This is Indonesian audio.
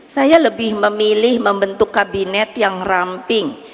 saya lebih memilih membentuk kabinet yang ramping